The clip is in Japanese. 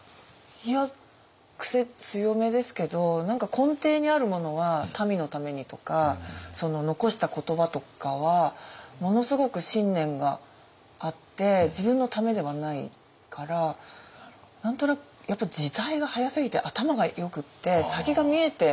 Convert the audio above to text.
いやクセ強めですけど何か根底にあるものは民のためにとかその残した言葉とかはものすごく信念があって自分のためではないから何となく時代が早すぎて頭がよくって先が見えて。